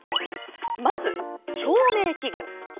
まず、照明器具。